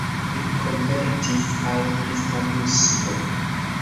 Li konvertis al kristanismo.